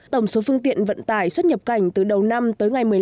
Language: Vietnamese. tổng số phương tiện vận tải xuất nhập cảnh từ đầu năm tới ngày một mươi năm